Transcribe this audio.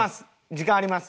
時間あります。